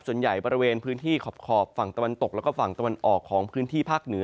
ส่วนใหญ่เป็นละที่ขอบฝั่งตะวันตกและฝั่งตะวันออกของพื้นที่ภาพเหนือ